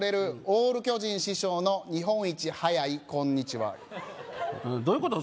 オール巨人師匠の日本一速い「こんにちは」どういうこと？